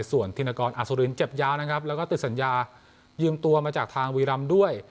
ส่วนธินกรอสุรินเจ็บยาวนะครับแล้วก็ติดสัญญายืมตัวมาจากทางบุรีรำด้วย